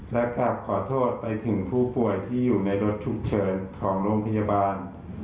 และกลับขอโทษไปถึงผู้ป่วยที่อยู่ในรถฉุกเฉินของโรงพยาบาล